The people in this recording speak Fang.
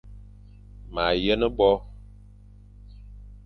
Ma yen bo ;